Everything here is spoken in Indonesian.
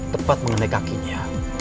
tepat mengenai kakinya